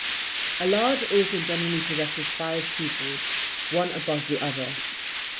A large organ generally possesses five keyboards one above the other.